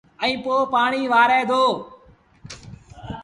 ائيٚݩ پو پآڻيٚ وآري دو